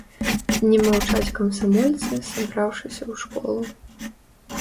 Не маўчаць камсамольцы, сабраўшыся ў школу.